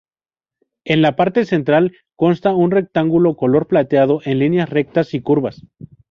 En la parte central consta un rectángulo color plateado en líneas rectas y curvas.